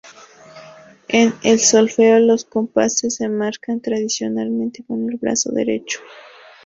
En el solfeo los compases se marcan tradicionalmente con el brazo derecho.